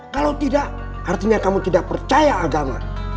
kalau tidak artinya kamu tidak percaya agama